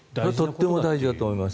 とても大事だと思います。